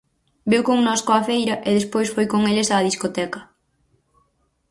Veu connosco á feira e despois foi con eles á discoteca.